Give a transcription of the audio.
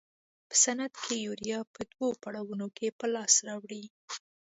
په صنعت کې یوریا په دوو پړاوونو کې په لاس راوړي.